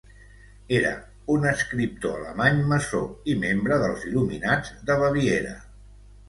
Era un escriptor alemany maçó i membre dels Il·luminats de Baviera.